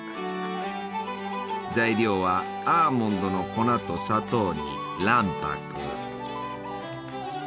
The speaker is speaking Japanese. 材料はアーモンドの粉と砂糖に卵白。